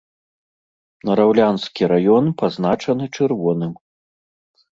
Нараўлянскі раён пазначаны чырвоным.